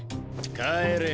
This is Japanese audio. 帰れ。